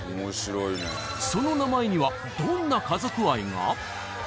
その名前にはどんな家族愛が？